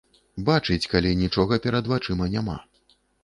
Бачыць, калі нічога перад вачыма няма.